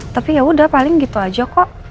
tapi yaudah paling gitu aja kok